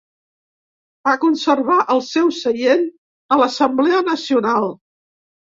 Va conservar el seu seient a l'Assemblea Nacional.